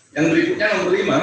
yang berikutnya nomor lima